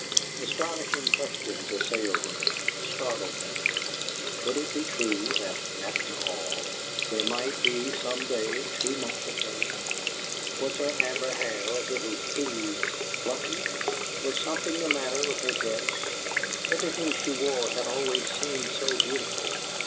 Astonishing questions assailed him, startled him: could it be true that, after all, there might be some day too much of her? Was her amber hair a little too FLUFFY? Was something the matter with her dress? Everything she wore had always seemed so beautiful.